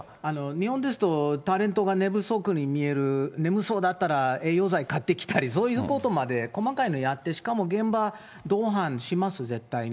日本ですと、タレントが寝不足に見える、眠そうだったら、栄養剤買ってきたり、そういうことまで細かいのやって、しかも、現場同伴します、絶対に。